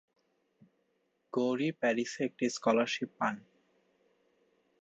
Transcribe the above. গৌরী প্যারিসে একটি স্কলারশিপ পান।